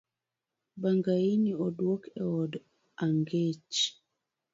Bangaini oduok eod angech